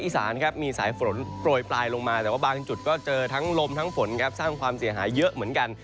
สร้างความเสียหายเยอะเหมือนกัน